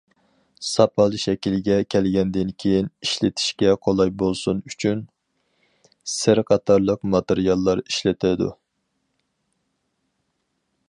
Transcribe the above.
ساپال شەكىلگە كەلگەندىن كېيىن، ئىشلىتىشكە قولاي بولسۇن ئۈچۈن، سىر قاتارلىق ماتېرىياللار ئىشلىتىدۇ.